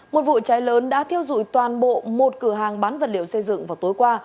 một vụ cháy lớn đã thiêu dụi toàn bộ một cửa hàng bán vật liệu xây dựng vào tối qua